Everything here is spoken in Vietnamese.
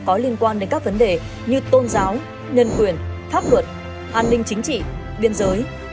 có liên quan đến các vấn đề như tôn giáo nhân quyền pháp luật an ninh chính trị biên giới